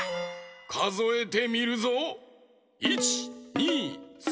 かぞえてみるぞ。